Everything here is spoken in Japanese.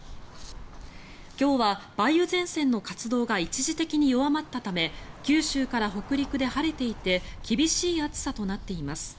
今日は梅雨前線の活動が一時的に弱まったため九州から北陸で晴れていて厳しい暑さとなっています。